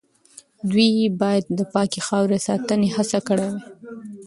دوی باید د پاکې خاورې د ساتنې هڅه کړې وای.